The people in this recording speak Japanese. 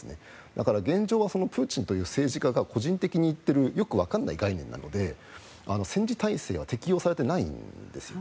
だから、現状はプーチンという政治家が個人的に言っているよくわからない概念なので戦時体制が適用されてないんですよ。